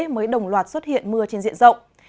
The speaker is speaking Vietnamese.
mới đồng loạt xuất hiện mưa trên diện rộng